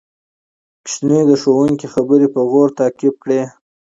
ماشوم د ښوونکي خبرې په غور تعقیب کړې